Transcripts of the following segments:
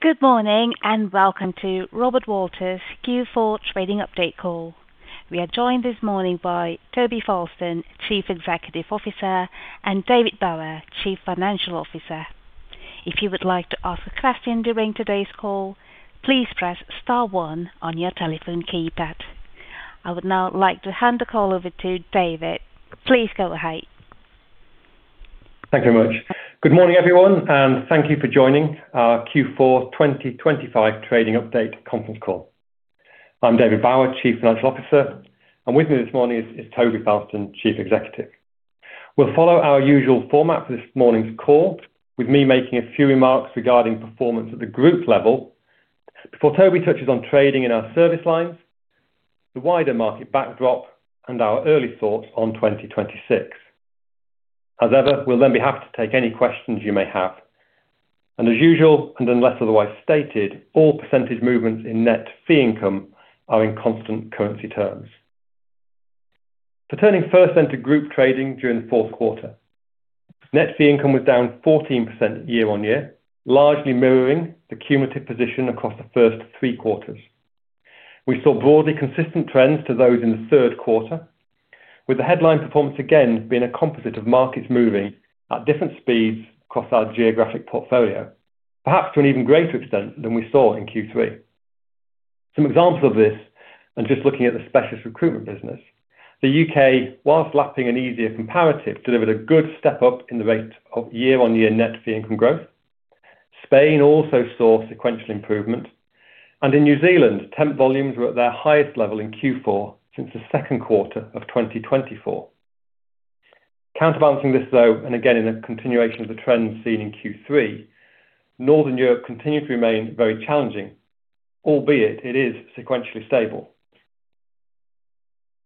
Good morning and welcome to Robert Walters Q4 trading update call. We are joined this morning by Toby Fowlston, Chief Executive Officer, and David Bower, Chief Financial Officer. If you would like to ask a question during today's call, please press star one on your telephone keypad. I would now like to hand the call over to David. Please go ahead. Thank you very much. Good morning, everyone, and thank you for joining our Q4 2025 trading update conference call. I'm David Bower, Chief Financial Officer, and with me this morning is Toby Fowlston, Chief Executive. We'll follow our usual format for this morning's call, with me making a few remarks regarding performance at the group level before Toby touches on trading in our service lines, the wider market backdrop, and our early thoughts on 2026. As ever, we'll then be happy to take any questions you may have. And as usual, and unless otherwise stated, all percentage movements in net fee income are in constant currency terms. Returning first then to group trading during the fourth quarter, net fee income was down 14% year-on-year, largely mirroring the cumulative position across the first three quarters. We saw broadly consistent trends to those in the third quarter, with the headline performance again being a composite of markets moving at different speeds across our geographic portfolio, perhaps to an even greater extent than we saw in Q3. Some examples of this, and just looking at the specialist recruitment business, the U.K., whilst lapping an easier comparative, delivered a good step up in the rate of year-on-year net fee income growth. Spain also saw sequential improvement, and in New Zealand, temp volumes were at their highest level in Q4 since the second quarter of 2024. Counterbalancing this, though, and again in a continuation of the trends seen in Q3, Northern Europe continued to remain very challenging, albeit it is sequentially stable.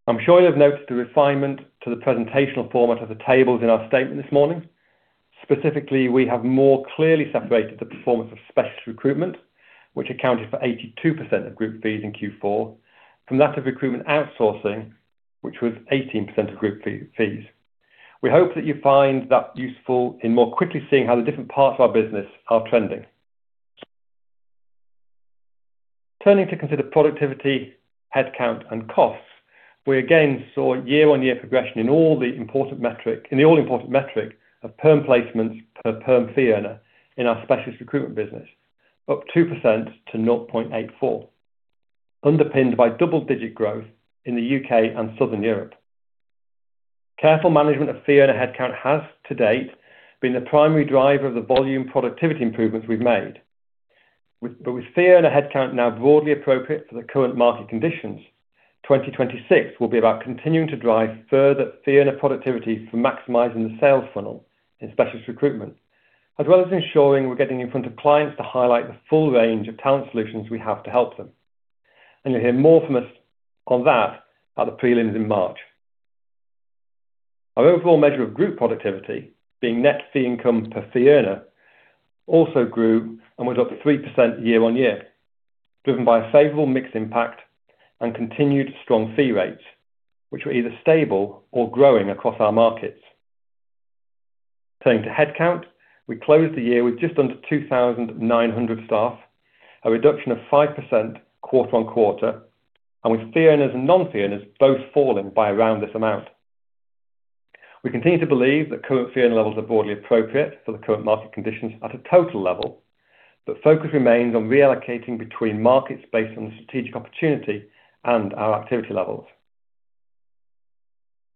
I'm sure you'll have noticed the refinement to the presentational format of the tables in our statement this morning. Specifically, we have more clearly separated the performance of specialist recruitment, which accounted for 82% of group fees in Q4, from that of recruitment outsourcing, which was 18% of group fees. We hope that you find that useful in more quickly seeing how the different parts of our business are trending. Turning to consider productivity, headcount, and costs, we again saw year-on-year progression in all the important metrics in the all-important metric of perm placements per perm fee earner in our specialist recruitment business, up 2% to 0.84, underpinned by double-digit growth in the U.K. and Southern Europe. Careful management of fee earner headcount has to date been the primary driver of the volume productivity improvements we've made. With fee earner headcount now broadly appropriate for the current market conditions, 2026 will be about continuing to drive further fee earner productivity for maximizing the sales funnel in specialist recruitment, as well as ensuring we're getting in front of clients to highlight the full range of talent solutions we have to help them. You'll hear more from us on that at the prelims in March. Our overall measure of group productivity, being net fee income per fee earner, also grew and was up 3% year-on-year, driven by a favorable mix impact and continued strong fee rates, which were either stable or growing across our markets. Turning to headcount, we closed the year with just under 2,900 staff, a reduction of 5% quarter-on-quarter, and with fee earners and non-fee earners both falling by around this amount. We continue to believe that current fee earner levels are broadly appropriate for the current market conditions at a total level, but focus remains on reallocating between markets based on the strategic opportunity and our activity levels.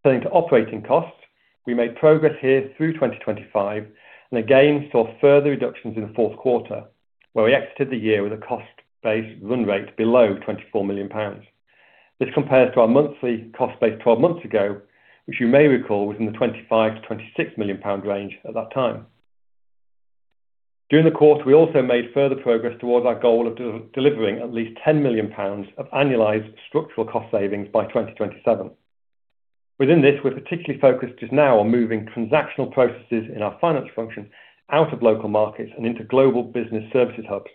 Turning to operating costs, we made progress here through 2025 and again saw further reductions in the fourth quarter, where we exited the year with a cost base run rate below 24 million pounds. This compares to our monthly cost base 12 months ago, which you may recall was in the 25 million-26 million pound range at that time. During the quarter, we also made further progress towards our goal of delivering at least 10 million pounds of annualized structural cost savings by 2027. Within this, we're particularly focused just now on moving transactional processes in our finance function out of local markets and into global business services hubs,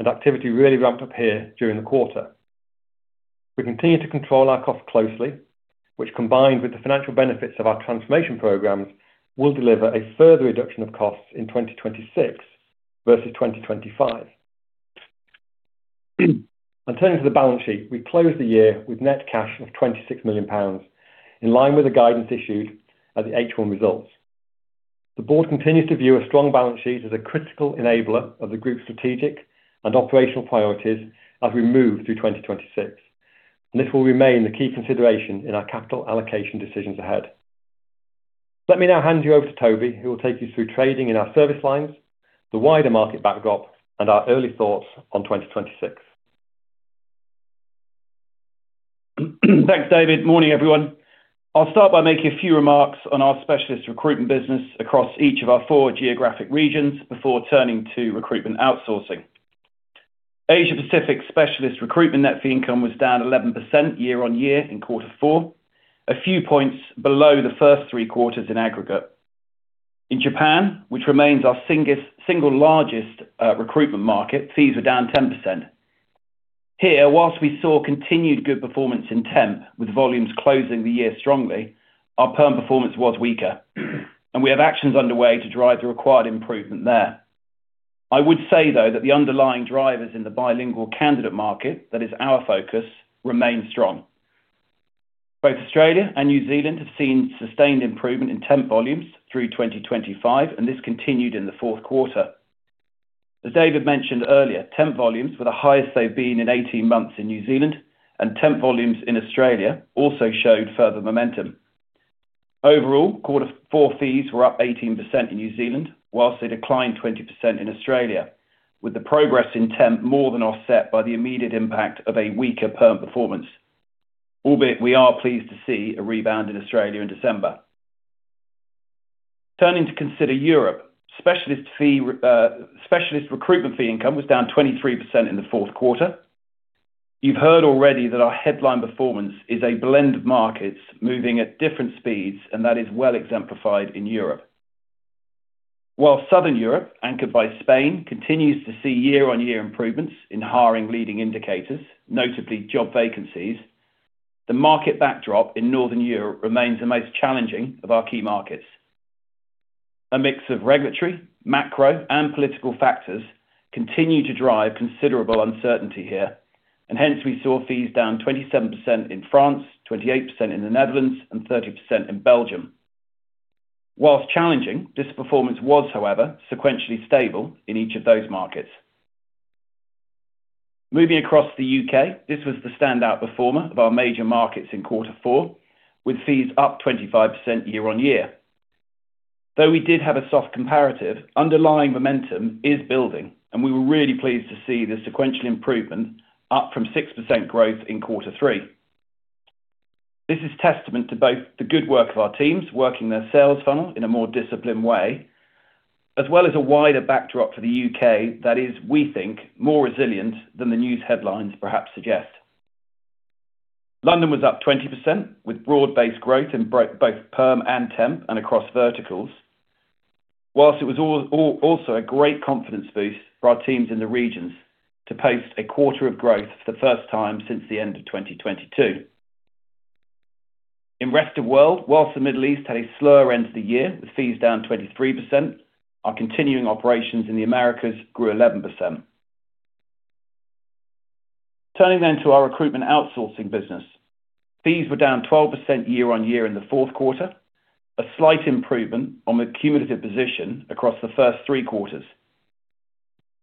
and activity really ramped up here during the quarter. We continue to control our costs closely, which, combined with the financial benefits of our transformation programs, will deliver a further reduction of costs in 2026 versus 2025. And turning to the balance sheet, we closed the year with net cash of 26 million pounds, in line with the guidance issued at the H1 results. The board continues to view a strong balance sheet as a critical enabler of the group's strategic and operational priorities as we move through 2026, and this will remain the key consideration in our capital allocation decisions ahead. Let me now hand you over to Toby, who will take you through trading in our service lines, the wider market backdrop, and our early thoughts on 2026. Thanks, David. Morning, everyone. I'll start by making a few remarks on our specialist recruitment business across each of our four geographic regions before turning to recruitment outsourcing. Asia-Pacific specialist recruitment net fee income was down 11% year-on-year in quarter four, a few points below the first three quarters in aggregate. In Japan, which remains our single largest recruitment market, fees were down 10%. Here, while we saw continued good performance in temp, with volumes closing the year strongly, our perm performance was weaker, and we have actions underway to drive the required improvement there. I would say, though, that the underlying drivers in the bilingual candidate market, that is our focus, remain strong. Both Australia and New Zealand have seen sustained improvement in temp volumes through 2025, and this continued in the fourth quarter. As David mentioned earlier, temp volumes were the highest they've been in 18 months in New Zealand, and temp volumes in Australia also showed further momentum. Overall, quarter four fees were up 18% in New Zealand, whilst they declined 20% in Australia, with the progress in temp more than offset by the immediate impact of a weaker perm performance, albeit we are pleased to see a rebound in Australia in December. Turning to consider Europe, specialist recruitment fee income was down 23% in the fourth quarter. You've heard already that our headline performance is a blend of markets moving at different speeds, and that is well exemplified in Europe. While Southern Europe, anchored by Spain, continues to see year-on-year improvements in hiring leading indicators, notably job vacancies, the market backdrop in Northern Europe remains the most challenging of our key markets. A mix of regulatory, macro, and political factors continue to drive considerable uncertainty here, and hence we saw fees down 27% in France, 28% in the Netherlands, and 30% in Belgium. While challenging, this performance was, however, sequentially stable in each of those markets. Moving across the U.K., this was the standout performer of our major markets in quarter four, with fees up 25% year-on-year. Though we did have a soft comparative, underlying momentum is building, and we were really pleased to see the sequential improvement up from 6% growth in quarter three. This is testament to both the good work of our teams working their sales funnel in a more disciplined way, as well as a wider backdrop for the U.K. that is, we think, more resilient than the news headlines perhaps suggest. London was up 20% with broad-based growth in both perm and temp and across verticals, while it was also a great confidence boost for our teams in the regions to post a quarter of growth for the first time since the end of 2022. In Rest of the World, while the Middle East had a slower end to the year with fees down 23%, our continuing operations in the Americas grew 11%. Turning then to our recruitment outsourcing business, fees were down 12% year-on-year in the fourth quarter, a slight improvement on the cumulative position across the first three quarters.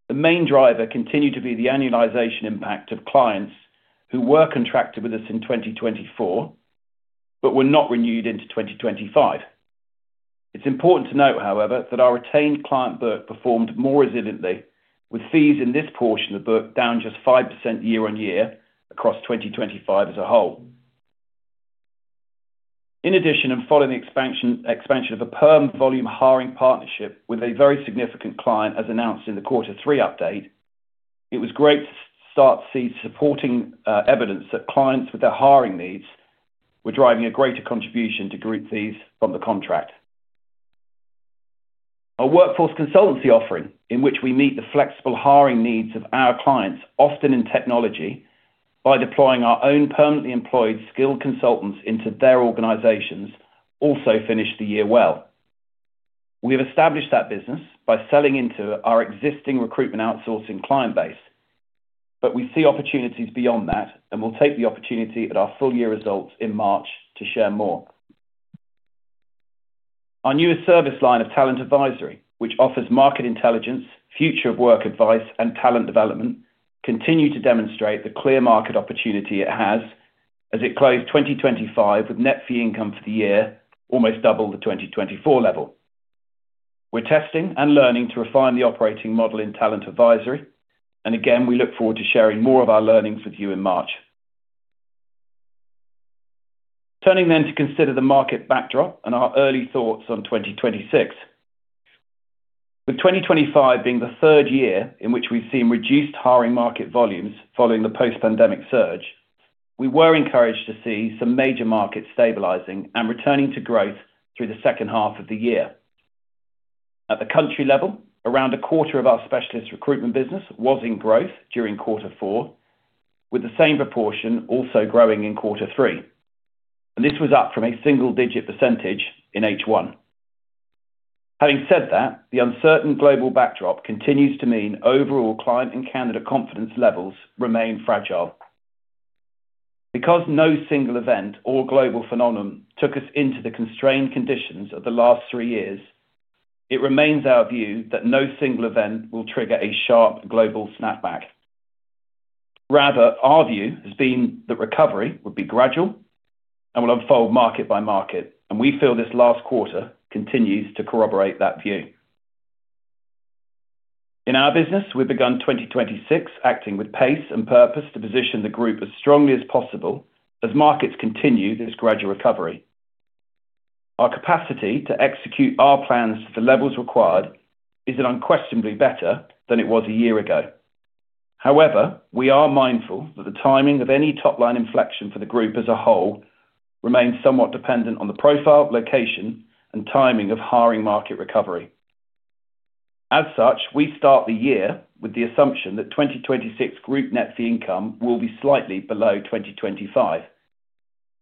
The main driver continued to be the annualization impact of clients who were contracted with us in 2024 but were not renewed into 2025. It's important to note, however, that our retained client RPO performed more resiliently, with fees in this portion of RPO down just 5% year-on-year across 2025 as a whole. In addition, and following the expansion of a perm volume hiring partnership with a very significant client, as announced in the quarter three update, it was great to start to see supporting evidence that clients with their hiring needs were driving a greater contribution to group fees from the contract. Our workforce consultancy offering, in which we meet the flexible hiring needs of our clients, often in technology, by deploying our own permanently employed skilled consultants into their organizations, also finished the year well. We have established that business by selling into our existing recruitment outsourcing client base, but we see opportunities beyond that, and we'll take the opportunity at our full year results in March to share more. Our newest service line of talent advisory, which offers market intelligence, future of work advice, and talent development, continued to demonstrate the clear market opportunity it has as it closed 2025 with net fee income for the year almost double the 2024 level. We're testing and learning to refine the operating model in talent advisory, and again, we look forward to sharing more of our learnings with you in March. Turning then to consider the market backdrop and our early thoughts on 2026. With 2025 being the third year in which we've seen reduced hiring market volumes following the post-pandemic surge, we were encouraged to see some major markets stabilizing and returning to growth through the second half of the year. At the country level, around a quarter of our specialist recruitment business was in growth during quarter four, with the same proportion also growing in quarter three, and this was up from a single-digit % in H1. Having said that, the uncertain global backdrop continues to mean overall client and candidate confidence levels remain fragile. Because no single event or global phenomenon took us into the constrained conditions of the last three years, it remains our view that no single event will trigger a sharp global snapback. Rather, our view has been that recovery would be gradual and will unfold market by market, and we feel this last quarter continues to corroborate that view. In our business, we've begun 2026 acting with pace and purpose to position the group as strongly as possible as markets continue this gradual recovery. Our capacity to execute our plans to the levels required is unquestionably better than it was a year ago. However, we are mindful that the timing of any top-line inflection for the group as a whole remains somewhat dependent on the profile, location, and timing of hiring market recovery. As such, we start the year with the assumption that 2026 group net fee income will be slightly below 2025,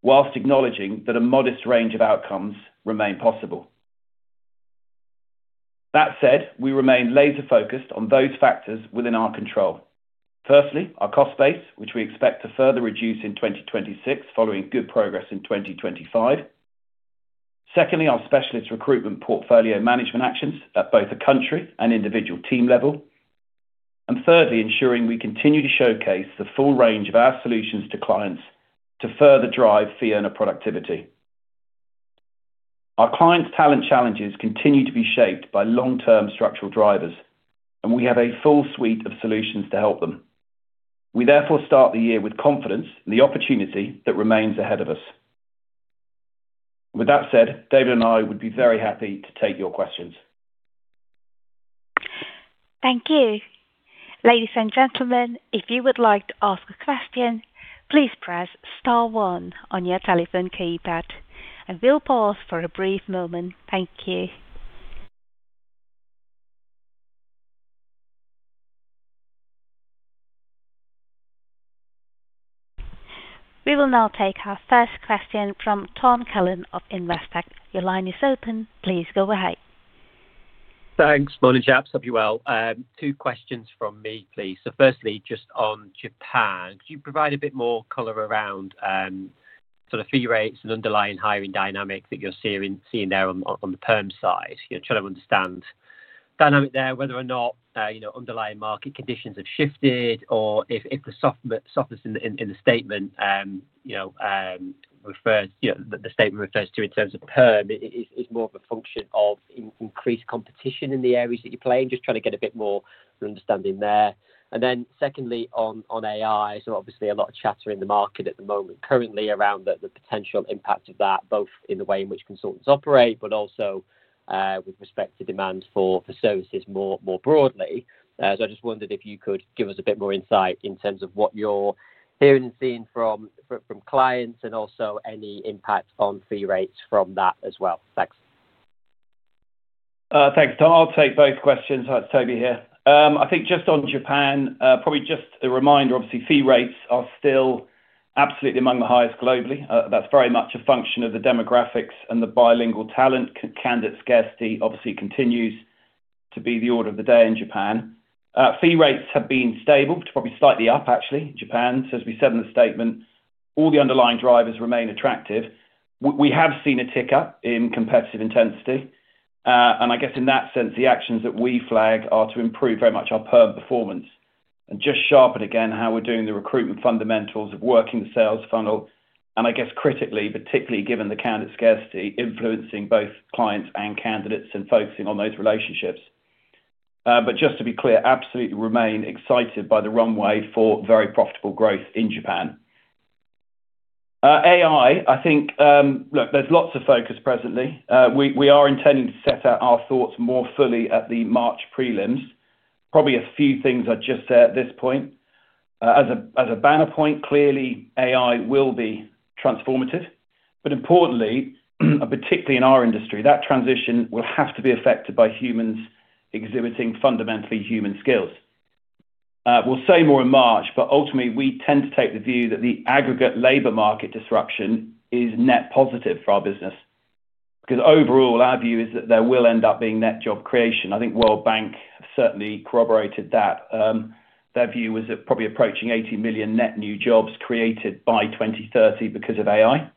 whilst acknowledging that a modest range of outcomes remain possible. That said, we remain laser-focused on those factors within our control. Firstly, our cost base, which we expect to further reduce in 2026 following good progress in 2025. Secondly, our specialist recruitment portfolio management actions at both a country and individual team level. And thirdly, ensuring we continue to showcase the full range of our solutions to clients to further drive fee earner productivity. Our clients' talent challenges continue to be shaped by long-term structural drivers, and we have a full suite of solutions to help them. We therefore start the year with confidence in the opportunity that remains ahead of us. With that said, David and I would be very happy to take your questions. Thank you. Ladies and gentlemen, if you would like to ask a question, please press star one on your telephone keypad, and we'll pause for a brief moment. Thank you. We will now take our first question from Tom Callan of Investec. Your line is open. Please go ahead. Thanks, Morning Champs. Hope you're well. Two questions from me, please. So firstly, just on Japan, could you provide a bit more color around sort of fee rates and underlying hiring dynamic that you're seeing there on the perm side? Trying to understand dynamic there, whether or not underlying market conditions have shifted, or if the softness in the statement refers to in terms of perm is more of a function of increased competition in the areas that you're playing, just trying to get a bit more understanding there. And then secondly, on AI, so obviously a lot of chatter in the market at the moment currently around the potential impact of that, both in the way in which consultants operate, but also with respect to demand for services more broadly. So I just wondered if you could give us a bit more insight in terms of what you're hearing and seeing from clients and also any impact on fee rates from that as well? Thanks. Thanks, Tom. I'll take both questions. Toby here. I think just on Japan, probably just a reminder. Obviously fee rates are still absolutely among the highest globally. That's very much a function of the demographics and the bilingual talent. Candidate scarcity obviously continues to be the order of the day in Japan. Fee rates have been stable, probably slightly up actually in Japan, so as we said in the statement, all the underlying drivers remain attractive. We have seen a tick up in competitive intensity, and I guess in that sense, the actions that we flag are to improve very much our perm performance and just sharpen again how we're doing the recruitment fundamentals of working the sales funnel, and I guess critically, particularly given the candidate scarcity influencing both clients and candidates and focusing on those relationships. But just to be clear, absolutely remain excited by the runway for very profitable growth in Japan. AI, I think. Look, there's lots of focus presently. We are intending to set out our thoughts more fully at the March prelims. Probably a few things I'd just say at this point. As a banner point, clearly AI will be transformative, but importantly, and particularly in our industry, that transition will have to be affected by humans exhibiting fundamentally human skills. We'll say more in March, but ultimately we tend to take the view that the aggregate labor market disruption is net positive for our business because overall our view is that there will end up being net job creation. I think The World Bank certainly corroborated that. Their view was that probably approaching 80 million net new jobs created by 2030 because of AI.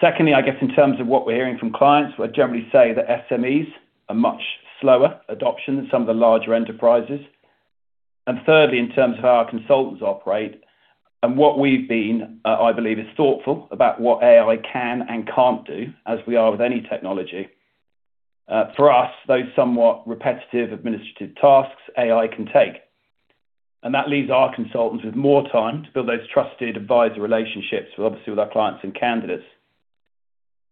Secondly, I guess in terms of what we're hearing from clients, I'd generally say that SMEs are much slower adoption than some of the larger enterprises, and thirdly, in terms of how our consultants operate and what we've been, I believe, is thoughtful about what AI can and can't do as we are with any technology. For us, those somewhat repetitive administrative tasks AI can take, and that leaves our consultants with more time to build those trusted advisor relationships, obviously with our clients and candidates,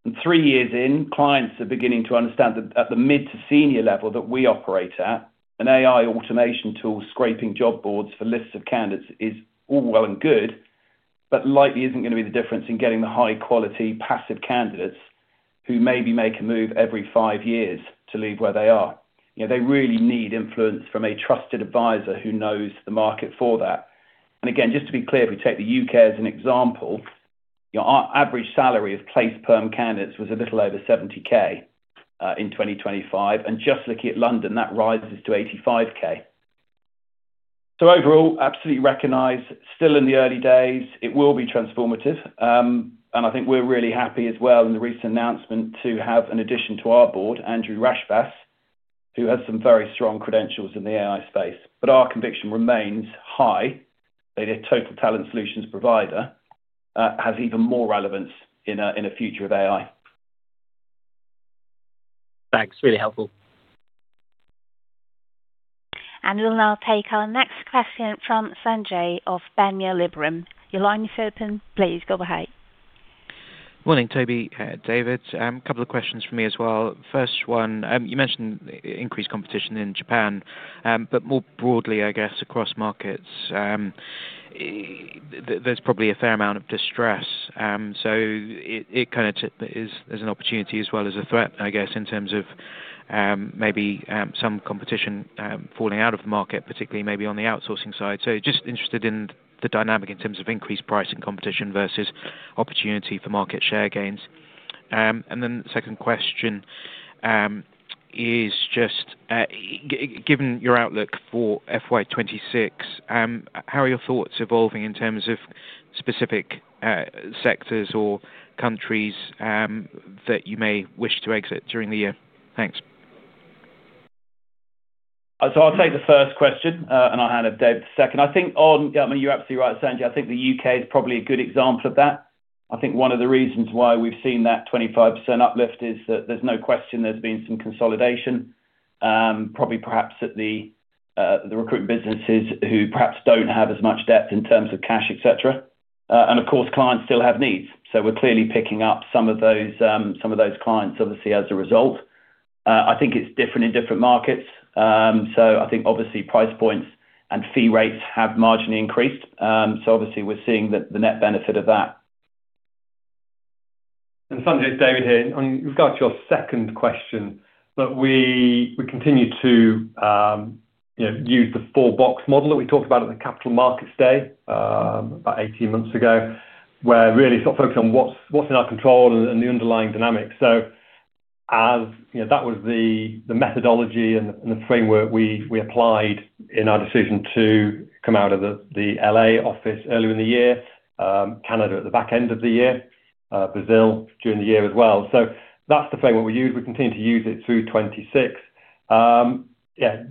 and three years in, clients are beginning to understand that at the mid to senior level that we operate at, an AI automation tool scraping job boards for lists of candidates is all well and good, but likely isn't going to be the difference in getting the high-quality passive candidates who maybe make a move every five years to leave where they are. They really need influence from a trusted advisor who knows the market for that. And again, just to be clear, if we take the U.K. as an example, our average salary of placed perm candidates was a little over 70,000 in 2025, and just looking at London, that rises to 85,000. So overall, absolutely recognize, still in the early days, it will be transformative, and I think we're really happy as well in the recent announcement to have an addition to our board, Andrew Rashbass, who has some very strong credentials in the AI space. But our conviction remains high that a total talent solutions provider has even more relevance in a future of AI. Thanks. Really helpful. And we'll now take our next question from Sanjay of Panmure Liberum. Your line is open. Please go ahead. Morning, Toby, David. A couple of questions for me as well. First one, you mentioned increased competition in Japan, but more broadly, I guess, across markets, there's probably a fair amount of distress. So it kind of is an opportunity as well as a threat, I guess, in terms of maybe some competition falling out of the market, particularly maybe on the outsourcing side. So just interested in the dynamic in terms of increased pricing competition versus opportunity for market share gains. And then the second question is just, given your outlook for FY 2026, how are your thoughts evolving in terms of specific sectors or countries that you may wish to exit during the year? Thanks. So I'll take the first question, and I'll hand it to David the second. I think on, I mean, you're absolutely right, Sanjay. I think the U.K. is probably a good example of that. I think one of the reasons why we've seen that 25% uplift is that there's no question there's been some consolidation, probably perhaps at the recruitment businesses who perhaps don't have as much depth in terms of cash, etc. And of course, clients still have needs. So we're clearly picking up some of those clients, obviously, as a result. I think it's different in different markets. So I think obviously price points and fee rates have marginally increased. So obviously we're seeing the net benefit of that. And Sanjay, David here. In regards to your second question, that we continue to use the Four-box model that we talked about at the Capital Markets Day about 18 months ago, where really it's not focused on what's in our control and the underlying dynamics. So that was the methodology and the framework we applied in our decision to come out of the L.A. office earlier in the year, Canada at the back end of the year, Brazil during the year as well. So that's the framework we use. We continue to use it through 2026. Yeah,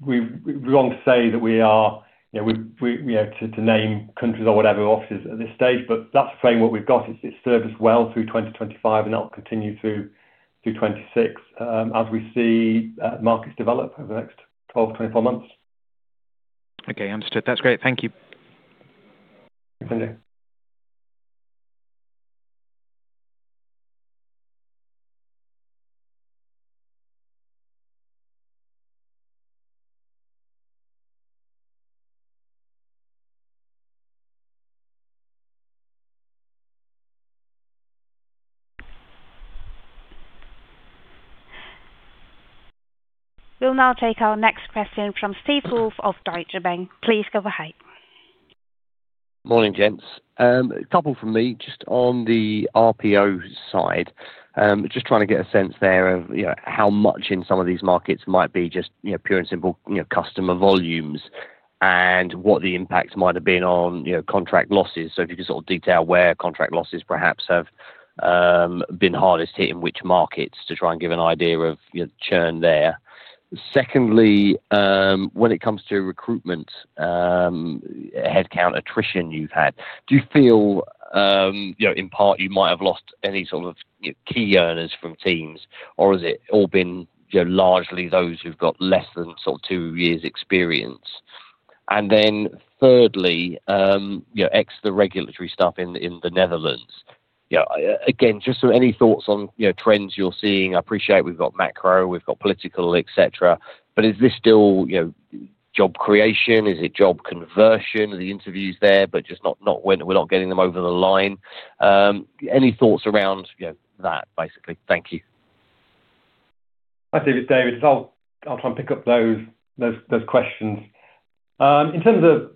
we're loath to say that we are to name countries or whatever offices at this stage, but that's the framework we've got. It's served us well through 2025, and that'll continue through 2026 as we see markets develop over the next 12 to 24 months. Okay. Understood. That's great. Thank you. Thanks, Sanjay. We'll now take our next question from Steve Woolf of Deutsche Bank. Please go ahead. Morning, gents. A couple from me just on the RPO side. Just trying to get a sense there of how much in some of these markets might be just pure and simple customer volumes and what the impact might have been on contract losses. So if you could sort of detail where contract losses perhaps have been hardest hit, in which markets to try and give an idea of the churn there. Secondly, when it comes to recruitment, headcount attrition you've had, do you feel in part you might have lost any sort of key earners from teams, or has it all been largely those who've got less than sort of two years' experience? And then thirdly, ex the regulatory stuff in the Netherlands. Again, just sort of any thoughts on trends you're seeing. I appreciate we've got macro, we've got political, etc., but is this still job creation? Is it job conversion? Are the interviews there, but just not when we're not getting them over the line? Any thoughts around that, basically? Thank you. Hi, this is David, I'll try and pick up those questions. In terms of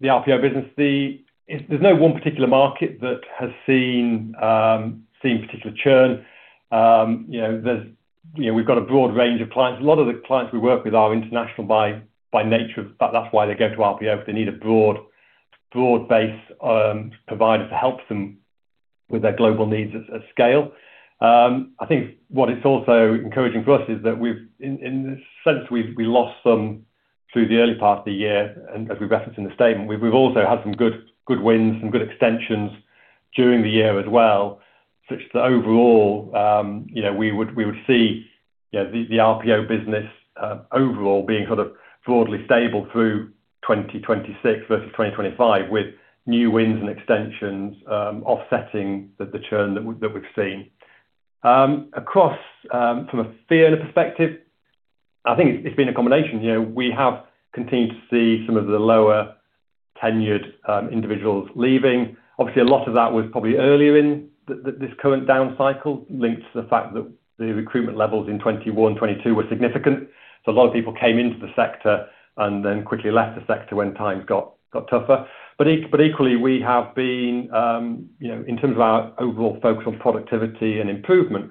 the RPO business, there's no one particular market that has seen particular churn. We've got a broad range of clients. A lot of the clients we work with are international by nature. That's why they go to RPO, because they need a broad base provider to help them with their global needs at scale. I think what it's also encouraging for us is that in a sense, we lost some through the early part of the year, and as we referenced in the statement, we've also had some good wins, some good extensions during the year as well, such that overall we would see the RPO business overall being sort of broadly stable through 2026 versus 2025, with new wins and extensions offsetting the churn that we've seen. From a fee earner perspective, I think it's been a combination. We have continued to see some of the lower tenured individuals leaving. Obviously, a lot of that was probably earlier in this current down cycle, linked to the fact that the recruitment levels in 2021, 2022 were significant. So a lot of people came into the sector and then quickly left the sector when times got tougher. But equally, we have been, in terms of our overall focus on productivity and improvement,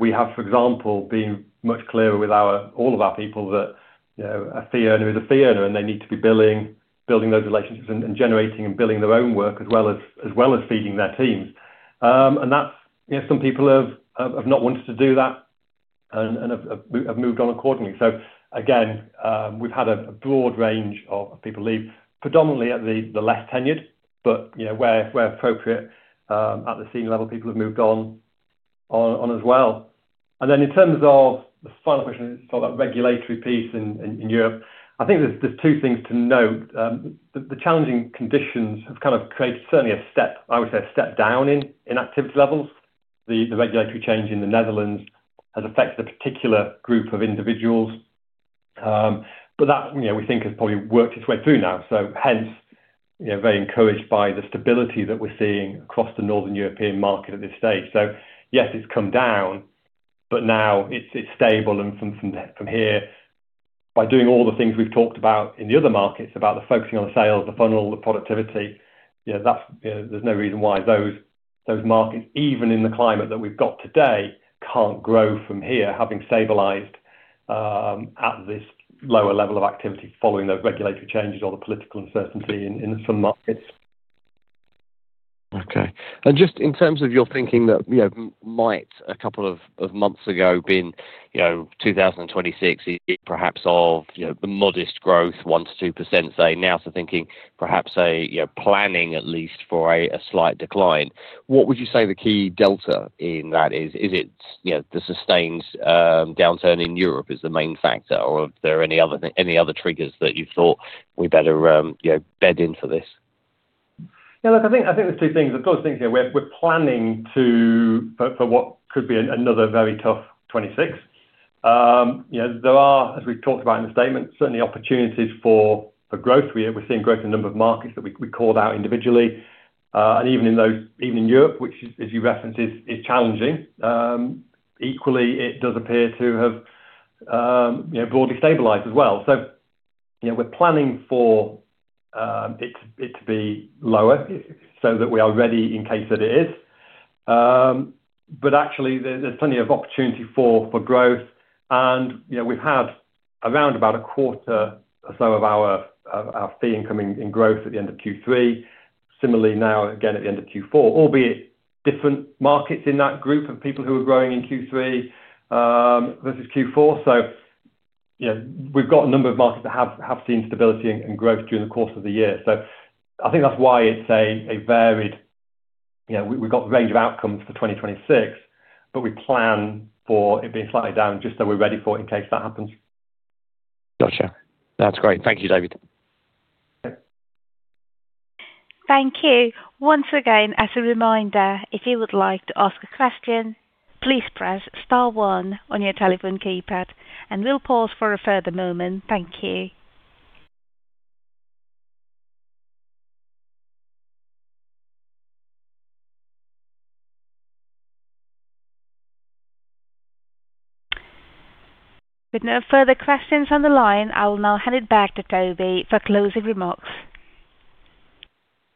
we have, for example, been much clearer with all of our people that a fee earner is a fee earner, and they need to be building those relationships and generating and building their own work as well as feeding their teams. And some people have not wanted to do that and have moved on accordingly. So again, we've had a broad range of people leave, predominantly at the less tenured, but where appropriate at the senior level, people have moved on as well. And then in terms of the final question, sort of that regulatory piece in Europe, I think there's two things to note. The challenging conditions have kind of created certainly a step, I would say a step down in activity levels. The regulatory change in the Netherlands has affected a particular group of individuals, but that we think has probably worked its way through now. So hence, very encouraged by the stability that we're seeing across the Northern European market at this stage. So yes, it's come down, but now it's stable. From here, by doing all the things we've talked about in the other markets, about the focusing on the sales, the funnel, the productivity, there's no reason why those markets, even in the climate that we've got today, can't grow from here, having stabilized at this lower level of activity following the regulatory changes or the political uncertainty in some markets. Okay. And just in terms of your thinking that might a couple of months ago be 2026, perhaps of the modest growth, 1%-2%, say, now to thinking perhaps planning at least for a slight decline, what would you say the key delta in that is? Is it the sustained downturn in Europe is the main factor, or are there any other triggers that you thought we better bed in for this? Yeah, look, I think there's two things. I've got to think we're planning for what could be another very tough 2026. There are, as we've talked about in the statement, certainly opportunities for growth. We're seeing growth in a number of markets that we called out individually, and even in Europe, which, as you referenced, is challenging. Equally, it does appear to have broadly stabilized as well, so we're planning for it to be lower so that we are ready in case that it is, but actually, there's plenty of opportunity for growth, and we've had around about a quarter or so of our fee income in growth at the end of Q3. Similarly, now again at the end of Q4, albeit different markets in that group of people who are growing in Q3 versus Q4. So we've got a number of markets that have seen stability and growth during the course of the year. So I think that's why it's a varied we've got a range of outcomes for 2026, but we plan for it being slightly down just so we're ready for it in case that happens. Gotcha. That's great. Thank you, David. Thank you. Once again, as a reminder, if you would like to ask a question, please press star one on your telephone keypad, and we'll pause for a further moment. Thank you. With no further questions on the line, I will now hand it back to Toby for closing remarks.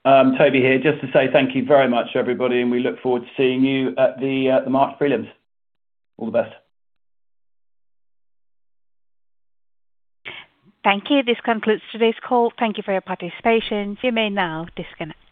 Toby here. Just to say thank you very much to everybody, and we look forward to seeing you at the March Prelims. All the best. Thank you. This concludes today's call. Thank you for your participation. You may now disconnect.